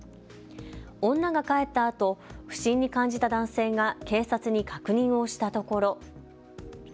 女が帰ったあと不審に感じた男性が警察に確認をしたところ。